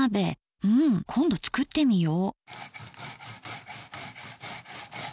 うん今度作ってみよう。